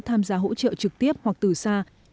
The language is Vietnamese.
tham gia hỗ trợ trực tiếp hoặc từ xa